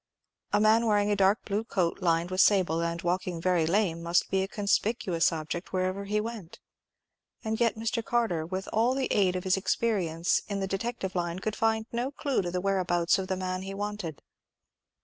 A man wearing a dark blue coat lined with sable, and walking very lame, must be a conspicuous object wherever he went; and yet Mr. Carter, with all the aid of his experience in the detective line, could find no clue to the whereabouts of the man he wanted.